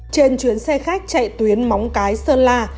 trên chuyến xe khách chạy tuyến móng cái sơn la